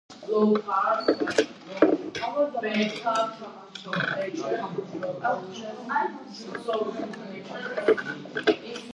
ყვავმა სასმისი აუვსო, მიდღეგრძელეო კერია.